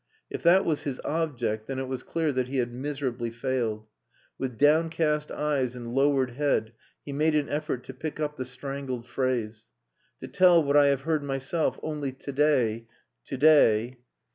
If that was his object, then it was clear that he had miserably failed. With downcast eyes and lowered head he made an effort to pick up the strangled phrase. "To tell what I have heard myself only to day to day...."